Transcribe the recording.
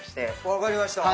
分かりました。